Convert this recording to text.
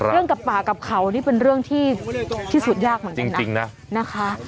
เรื่องกับป่ากับเขานี่เป็นเรื่องที่ที่สุดยากเหมือนกันนะคะ